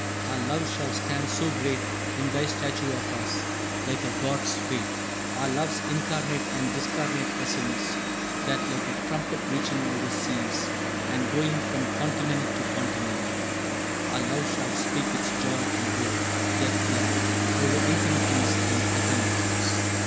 Our love shall stand so great In thy statue of us, like a god's fate, Our love's incarnate and discarnate essence, That, like a trumpet reaching over seas And going from continent to continent, Our love shall speak its joy and woe, death blent, Over infinities and eternities!